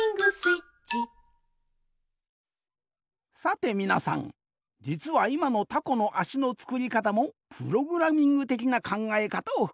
さてみなさんじつはいまのタコのあしのつくりかたもプログラミングてきなかんがえかたをふくんでおる。